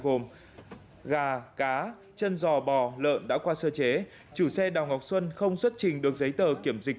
gồm gà cá chân giò bò lợn đã qua sơ chế chủ xe đào ngọc xuân không xuất trình được giấy tờ kiểm dịch